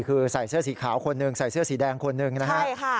คือใส่เสื้อสีขาวคนหนึ่งใส่เสื้อสีแดงคนหนึ่งนะฮะ